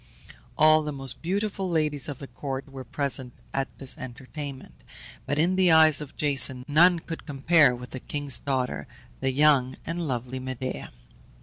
All the most beautiful ladies of the court were present at this entertainment; but in the eyes of Jason none could compare with the king's daughter, the young and lovely Medea.